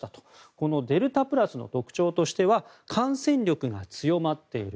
このデルタプラスの特徴としては感染力が強まっている。